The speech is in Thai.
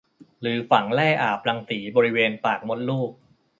หรือฝังแร่อาบรังสีบริเวณปากมดลูก